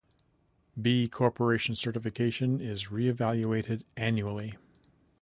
B Corporation certification is re-evaluated annually.